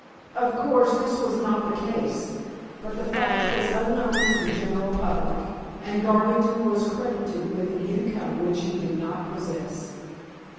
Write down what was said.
Of course, this was not the case; but the fact was unknown to the general public, and Garvington was credited with an income which he did not possess.